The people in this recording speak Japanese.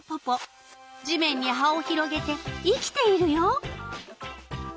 地面に葉を広げて生きているよ。